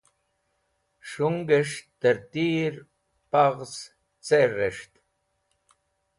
S̃hũngẽs̃h tẽr tiyr paghz cher res̃ht?